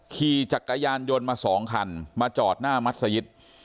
ขี่จักรยานยนต์มา๒คันมาจอดหน้ามัศยิต